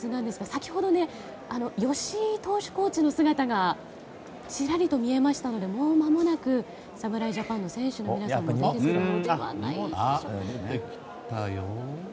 先ほど、吉井投手コーチの姿がちらりと見えましたのでもうまもなく侍ジャパンの選手の皆さんも出てくるのではないでしょうか。